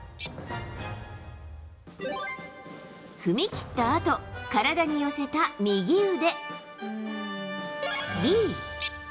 Ａ、踏み切ったあと、体に寄せた右腕。